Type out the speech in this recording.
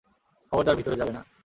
খবরদার, ভিতরে যাবে না।